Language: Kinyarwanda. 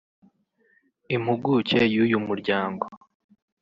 Impuguke y’uyu muryango